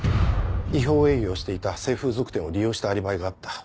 違法営業していた性風俗店を利用したアリバイがあった。